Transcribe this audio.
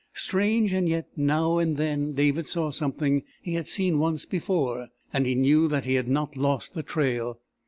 Strange and yet now and then David saw something he had seen once before, and he knew that he had not lost the trail.